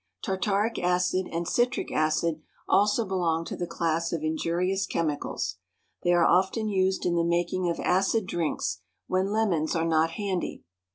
Tartaric acid and citric acid also belong to the class of injurious chemicals. They are often used in the making of acid drinks, when lemons are not handy.